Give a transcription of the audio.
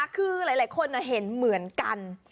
คือหลายคนเห็นเหมือนกัน